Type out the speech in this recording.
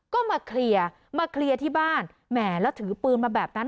ก็มาเคลียร์มาเคลียร์ที่บ้านแหมแล้วถือปืนมาแบบนั้น